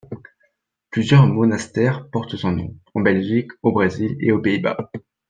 Plusieurs monastères portent son nom, en Belgique, au Brésil et aux Pays-Bas.